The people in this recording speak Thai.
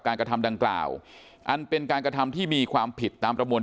กระทำดังกล่าวอันเป็นการกระทำที่มีความผิดตามประมวล